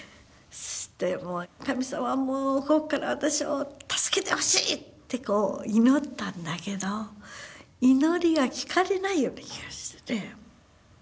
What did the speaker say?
そして「神様もうここから私を助けてほしい！」って祈ったんだけど祈りが聞かれないような気がして。